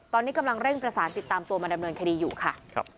ตอนนี้กำลังเร่งประสานติดตามตัวมาดำเนินคดีอยู่ค่ะ